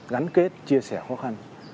gắn kết chia sẻ khó khăn